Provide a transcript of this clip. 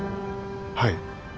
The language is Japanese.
はい。